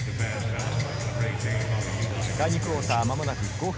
第２クオーター、間もなく５分。